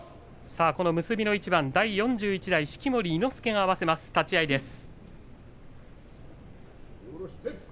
結びの一番第４１代式守伊之助が合わせます立ち合いです。